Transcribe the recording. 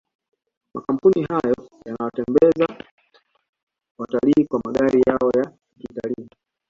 makampuni hayo yanawatembeza watalii kwa magari yao ya kitalii